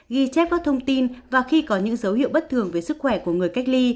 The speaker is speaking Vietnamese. ghi chép các thông tin và khi có những dấu hiệu bất thường về sức khỏe của người cách ly